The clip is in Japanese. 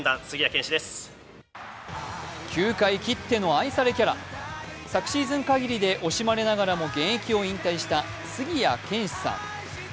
球界きっての愛されキャラ昨シーズン限りで惜しまれながらも現役を引退した杉谷拳士さん。